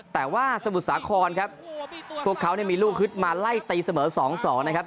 แต่ว่าสมุทรสาครครับพวกเขาเนี่ยมีลูกฮึดมาไล่ตีเสมอ๒๒นะครับ